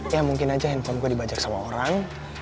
ya mungkin aja handphone gue dibajak sama orang